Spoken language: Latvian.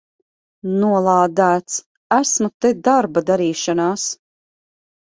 Nolādēts! Esmu te darba darīšanās!